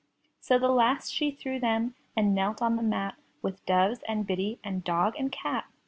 So the last she threw them, and knelt on the mat With doves, and biddy, and dog, and cat.